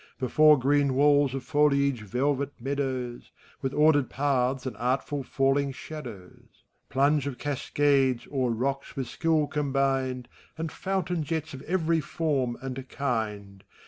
Before green walls of foliage velvet meadows. With ordered paths and artful falling shadows; Plunge of caseades o'er rocks with skill combined, And fountain jets of every form and kind.